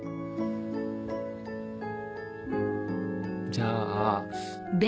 じゃあ。